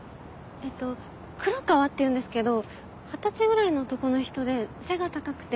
えっと黒川っていうんですけど二十歳ぐらいの男の人で背が高くて。